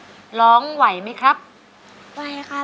เพลงนี้ที่๕หมื่นบาทแล้วน้องแคน